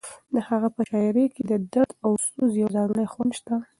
د هغه په شاعرۍ کې د درد او سوز یو ځانګړی خوند شته.